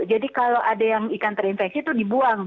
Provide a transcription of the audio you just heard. jadi kalau ada yang ikan terinfeksi itu dibuang